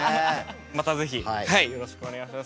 また是非よろしくお願いします。